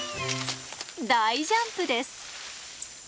大ジャンプです。